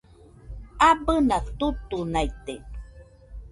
Abɨna tutunaite